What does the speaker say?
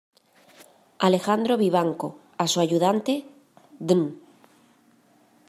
Alejandro Vivanco, a su ayudante, Dn.